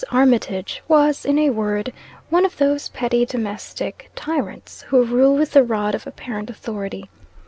Armitage was, in a word, one of those petty domestic tyrants, who rule with the rod of apparent authority.